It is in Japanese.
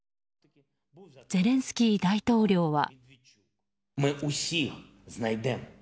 ゼレンスキー大統領は。